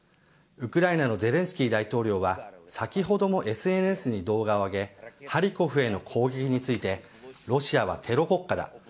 ウクライナのゼレンスキー大統領は先ほどもＳＮＳに動画を上げハリコフへの攻撃についてロシアはテロ国家だ。